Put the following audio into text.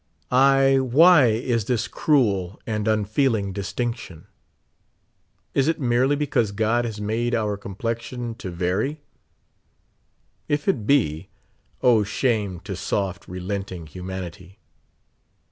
Ah I why is this cruel and unfeeling distinction? Is it merelv becaose God has made our complexion to vary? If it be, O shame to soft, relenting humanity